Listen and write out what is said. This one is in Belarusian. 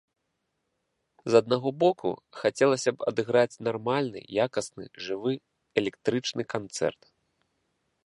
З аднаго боку, хацелася б адыграць нармальны, якасны, жывы, электрычны канцэрт.